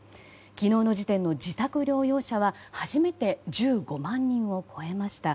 昨日の時点の自宅療養者は初めて１５万人を超えました。